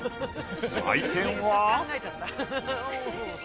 採点は。